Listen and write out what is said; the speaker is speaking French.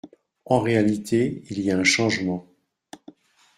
En réalité, il y a un changement.